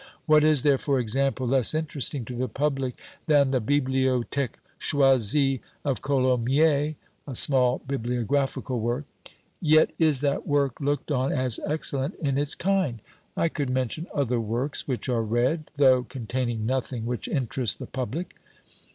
What is there, for example, less interesting to the public than the BibliothÃẀque Choisie of Colomiés (a small bibliographical work); yet is that work looked on as excellent in its kind. I could mention other works which are read, though containing nothing which interests the public."